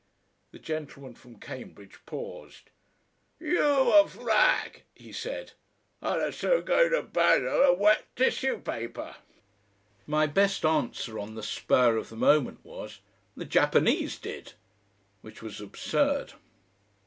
The gentleman from Cambridge paused. "YOU a flag!" he said. "I'd as soon go to ba'ell und' wet tissue paper!" My best answer on the spur of the moment was: "The Japanese did." Which was absurd.